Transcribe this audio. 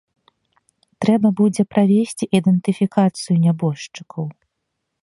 Трэба будзе правесці ідэнтыфікацыю нябожчыкаў.